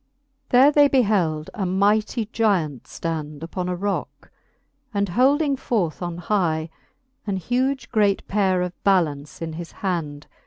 There they beheld a mighty gyant ftand Upon a rocke, and holding forth on hie An huge great paire of ballance in his hand.